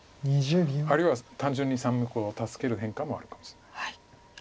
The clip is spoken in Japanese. あるいは単純に３目を助ける変化もあるかもしれない。